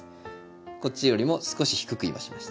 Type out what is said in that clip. こっちよりも少し低く今しましたね